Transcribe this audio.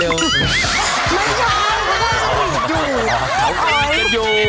ไม่ยอดล่ะหายให้อยู่